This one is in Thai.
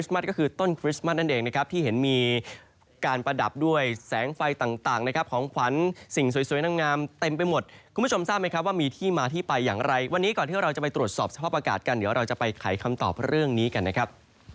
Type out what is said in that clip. สอบสภาพอากาศกันเดี๋ยวเราจะไปไขคำตอบเรื่องนี้กันนะครับ